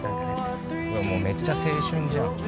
めっちゃ青春じゃん。